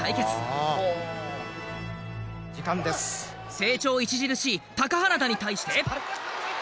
成長著しい貴花田に対して。